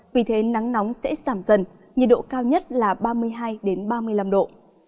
vì thế nắng nóng sẽ giảm dần nhiệt độ cao nhất là ba mươi hai ba mươi năm độ